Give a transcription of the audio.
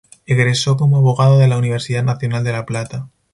Egresó como Abogado de la Universidad Nacional de La Plata.